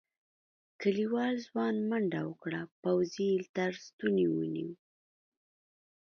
کليوال ځوان منډه وکړه پوځي یې تر ستوني ونيو.